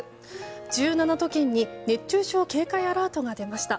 １７都県に熱中症警戒アラートが出ました。